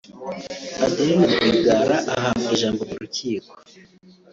Adeline Rwigara ahabwa ijambo mu rukiko